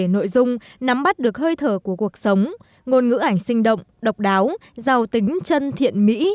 nội dung nắm bắt được hơi thở của cuộc sống ngôn ngữ ảnh sinh động độc đáo giàu tính chân thiện mỹ